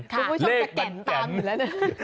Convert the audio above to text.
คุณผู้ชมจะแก่นตามอยู่แล้วนะ